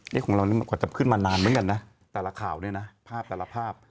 นี่คุณคุณลองนึกกว่าจะขึ้นมานานเหมือนกันแต่ละข่าวภาพ